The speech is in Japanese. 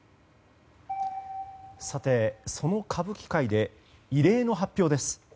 その歌舞伎界で異例の発表です。